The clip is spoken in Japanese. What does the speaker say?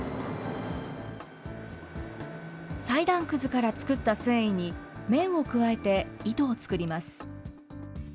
裁断くずから作った繊維に、綿を加えて糸を作ります。